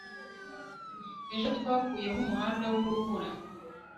ejo twakuyeho umuhanda wurubura